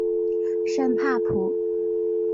圣帕普。